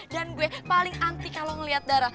dan gue paling anti kalau ngeliat darah